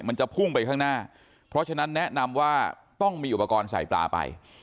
มันจะพุ่งไปข้างหน้าเพราะฉะนั้นแนะนำว่าต้องมีอุปกรณ์ใส่ปลาไป